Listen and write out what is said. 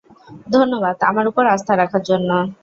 ধন্যবাদ আমার উপর আস্থা রাখার জন্য!